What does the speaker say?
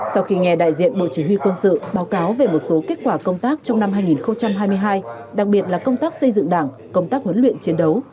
sau khi nghe đại diện bộ chỉ huy quân sự báo cáo về một số kết quả công tác trong năm hai nghìn hai mươi hai đặc biệt là công tác xây dựng đảng công tác huấn luyện chiến đấu